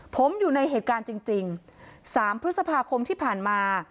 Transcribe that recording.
ผมอยู่ในเหตุการณ์จริง๓พฤษภาคมที่ผ่านมา